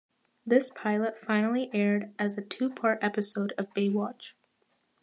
This pilot finally aired as a two-part episode of "Baywatch".